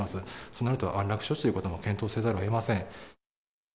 そうなると、安楽死をすることも検討せざるをえません。